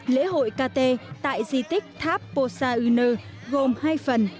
lễ hội kt tại di tích tháp posa uner gồm hai phần